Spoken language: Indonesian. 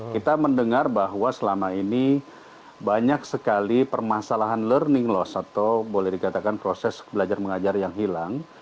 kita mendengar bahwa selama ini banyak sekali permasalahan learning loss atau boleh dikatakan proses belajar mengajar yang hilang